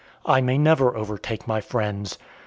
I may never overtake my friends.